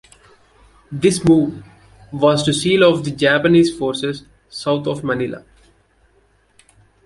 This move was to seal off the Japanese forces south of Manila.